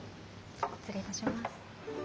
失礼いたします。